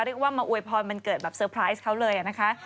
เรียกว่ามาอวยพรวันเกิดแบบเซอร์ไพรส์เขาเลยนะคะ